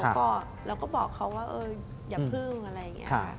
ก็เราก็บอกเขาว่าอย่าพึ่งอะไรอย่างนี้ค่ะ